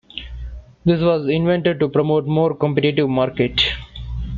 This was intended to promote a more competitive market.